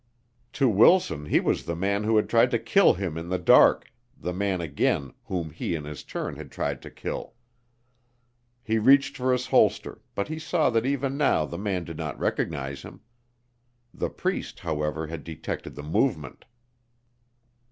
To Wilson he was the man who had tried to kill him in the dark, the man again whom he in his turn had tried to kill. He reached for his holster, but he saw that even now the man did not recognize him. The priest, however, had detected the movement.